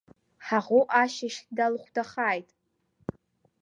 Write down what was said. Ҳаӷоу ашьыжь далхәдахааит!